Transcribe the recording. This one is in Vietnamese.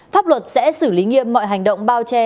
pháp luật sẽ xử lý nghiêm mọi hành động bao che